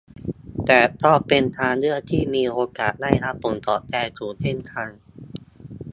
แต่ก็เป็นทางเลือกที่มีโอกาสได้รับผลตอบแทนสูงเช่นกัน